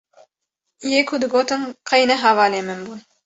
yê ku digotin qey ne hevalê min bûn